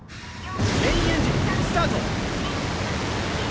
・メインエンジンスタート。